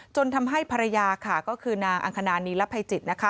จนทำให้ภรรยาค่ะก็คือนางอังคณานีรภัยจิต